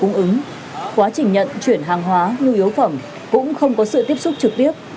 trong tổ cung ứng khóa trình nhận chuyển hàng hóa nhu yếu phẩm cũng không có sự tiếp xúc trực tiếp